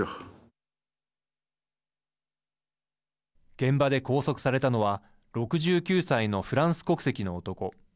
現場で拘束されたのは６９歳のフランス国籍の男。